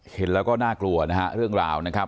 เห็นแล้วก็น่ากลัวนะฮะเรื่องราวนะครับ